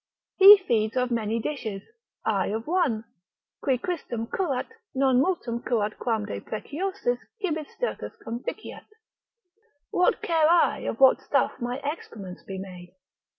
He feeds of many dishes, I of one: qui Christum curat, non multum curat quam de preciosis cibis stercus conficiat, what care I of what stuff my excrements be made?